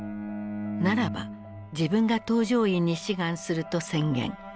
ならば自分が搭乗員に志願すると宣言。